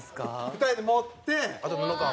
２人で持って。